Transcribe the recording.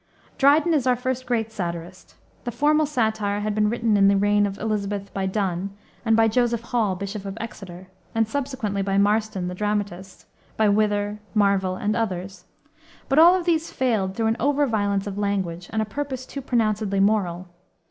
Dryden is our first great satirist. The formal satire had been written in the reign of Elisabeth by Donne, and by Joseph Hall, Bishop of Exeter, and subsequently by Marston, the dramatist, by Wither, Marvell, and others; but all of these failed through an over violence of language, and a purpose too pronouncedly moral.